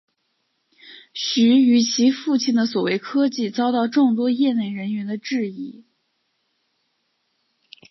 徐与其父亲的所谓科技遭到众多业内人士的质疑。